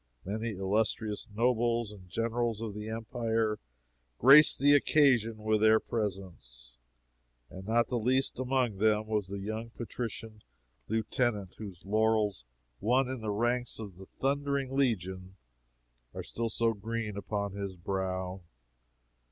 Many illustrious nobles and generals of the Empire graced the occasion with their presence, and not the least among them was the young patrician lieutenant whose laurels, won in the ranks of the "Thundering Legion," are still so green upon his brow.